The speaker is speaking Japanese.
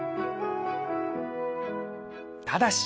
ただし